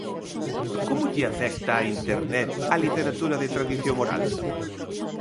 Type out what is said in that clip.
Como lle afecta a internet á literatura de tradición oral?